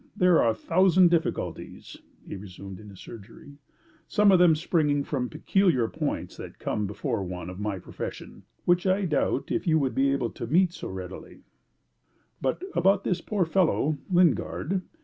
There are a thousand difficulties," he resumed in the surgery, "some of them springing from peculiar points that come before one of my profession, which I doubt if you would be able to meet so readily. But about this poor fellow, Lingard.